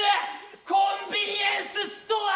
コンビニエンスストア！